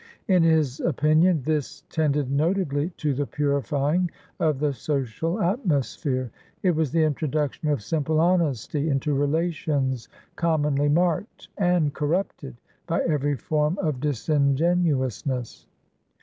In his opinion this tended notably to the purifying of the social atmosphere. It was the introduction of simple honesty into relations commonly markedand corruptedby every form of disingenuousness.